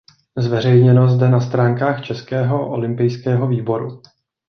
Zveřejněno zde na stránkách Českého olympijského výboru.